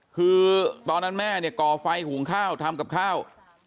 คือตอนนั้นแม่เนี่ยก่อไฟหุงข้าวทำกับข้าว